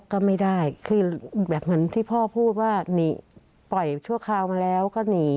ก็ไม่ได้คือแบบเหมือนที่พ่อพูดว่าหนีปล่อยชั่วคราวมาแล้วก็หนี